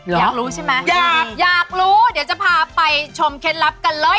อยากรู้ใช่ไหมอยากอยากรู้เดี๋ยวจะพาไปชมเคล็ดลับกันเลย